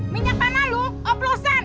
minyak panah lu oplosan